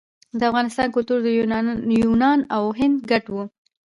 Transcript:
د افغانستان کلتور د یونان او هند ګډ و